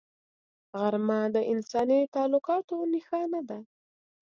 غرمه د انساني تعلقاتو نښانه ده